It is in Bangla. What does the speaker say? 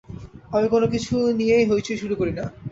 আমি কোনো কিছু নিযেই হৈচৈ শুরু করি না।